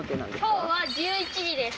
今日は１１時です。